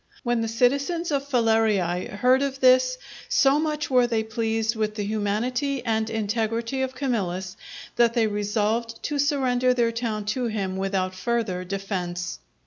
When the citizens of Falerii heard of this, so much were they pleased with the humanity and integrity of Camillus, that they resolved to surrender their town to him without further defence.